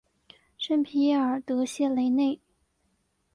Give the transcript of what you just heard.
圣皮耶尔德谢雷内。